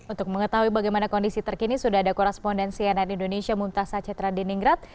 untuk mengetahui bagaimana kondisi terkini sudah ada korespondensi nri indonesia muntas sacetra di ninggrat